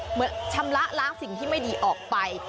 เหมือนชำระล้างสิ่งที่ไม่ดีออกไป